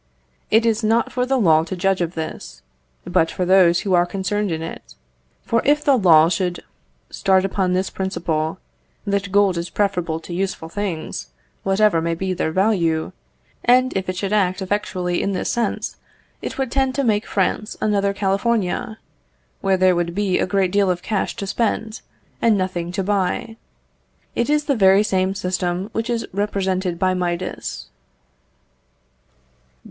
It is not for the law to judge of this, but for those who are concerned in it; for if the law should start upon this principle, that gold is preferable to useful things, whatever may be their value, and if it should act effectually in this sense, it would tend to make France another California, where there would be a great deal of cash to spend, and nothing to buy. It is the very same system which is represented by Midas.